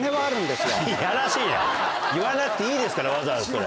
いやらしいな言わなくていいですからわざわざそれ。